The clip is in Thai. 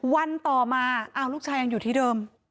วันต่อมาลูกชายยังอยู่ที่เดิม